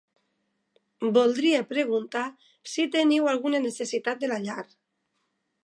Voldria preguntar si teniu alguna necessitat de la llar.